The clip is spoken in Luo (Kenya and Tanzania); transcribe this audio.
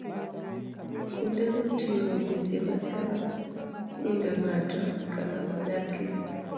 Kuondego ting'o weche machalo nyinge ng'ato, kama odakie